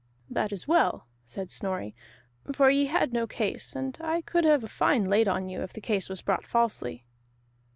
"That is well," said Snorri, "for ye had no case, and I could have a fine laid on you if the case was brought falsely."